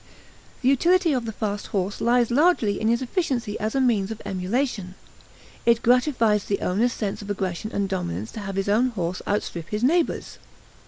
The utility of the fast horse lies largely in his efficiency as a means of emulation; it gratifies the owner's sense of aggression and dominance to have his own horse outstrip his neighbor's.